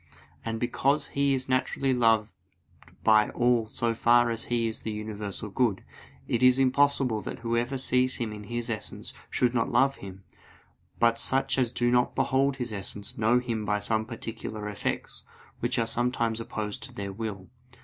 And because He is naturally loved by all so far as He is the universal good, it is impossible that whoever sees Him in His essence should not love Him. But such as do not behold His essence, know Him by some particular effects, which are sometimes opposed to their will.